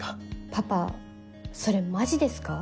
パパそれマジですか？